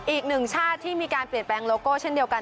อีกหนึ่งชาติที่มีการเปลี่ยนแปลงโลโก้เช่นเดียวกัน